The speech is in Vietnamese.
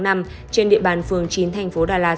trên địa bàn phường chín tp đà lạt